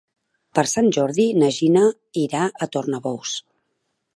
Per Sant Jordi na Gina irà a Tornabous.